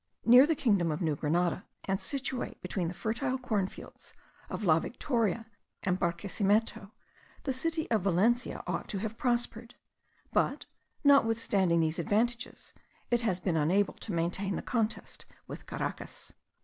Near the kingdom of New Grenada, and situate between the fertile corn lands of La Victoria and Barquesimeto, the city of Valencia ought to have prospered; but, notwithstanding these advantages, it has been unable to maintain the contest with Caracas.